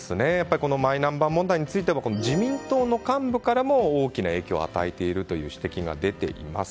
マイナンバー問題については自民党の幹部からも大きな影響を与えているという指摘が出ています。